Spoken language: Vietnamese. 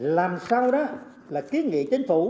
làm sao đó là ký nghị chính phủ